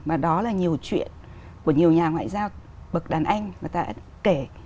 mà đó là nhiều chuyện của nhiều nhà ngoại giao bậc đàn anh mà ta đã kể